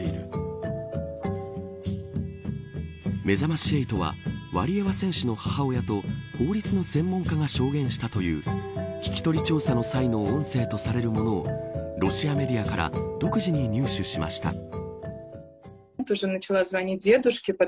めざまし８はワリエワ選手の母親と法律の専門家が証言したという聞き取り調査の際の音声とされるものをロシアメディアから独自に入手しました。